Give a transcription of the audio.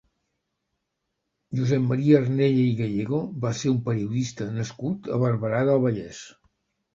Josep Maria Arnella i Gallego va ser un periodista nascut a Barberà del Vallès.